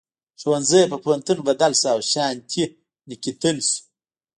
ښوونځي په پوهنتون بدل شو او شانتي نیکیتن شو.